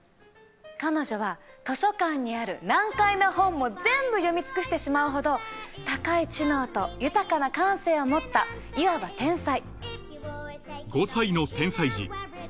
彼女は図書館にある難解な本も全部読み尽くしてしまうほど高い知能と豊かな感性を持ったいわば天才。